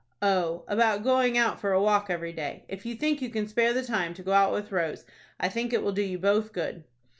Oh, about going out for a walk every day. If you think you can spare the time to go out with Rose, I think it will do you both good."